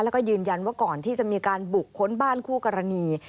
แล้วก็ยืนยันว่าก่อนที่จะมีการบุกค้นบ้านคู่กรณี